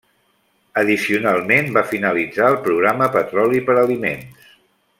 Addicionalment, va finalitzar el programa Petroli per Aliments.